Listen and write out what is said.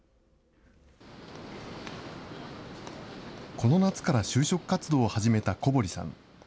この夏から就職活動を始めた小堀さん。